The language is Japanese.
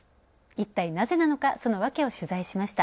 一体なぜなのか、その訳を取材しました。